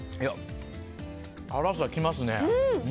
辛さ、来ますね。